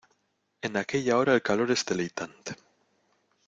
en aquella hora el calor es deleitante.